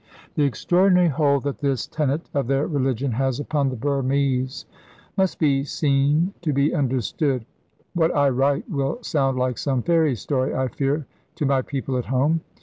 The extraordinary hold that this tenet of their religion has upon the Burmese must be seen to be understood. What I write will sound like some fairy story, I fear, to my people at home.